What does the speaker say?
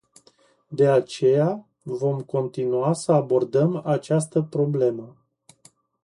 De aceea, vom continua să abordăm această problemă.